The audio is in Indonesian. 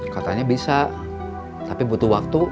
katanya bisa tapi butuh waktu